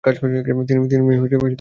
তিনি কোন অর্থ পাননি।